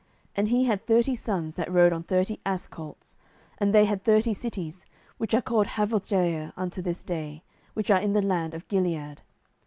07:010:004 And he had thirty sons that rode on thirty ass colts, and they had thirty cities, which are called Havothjair unto this day, which are in the land of Gilead.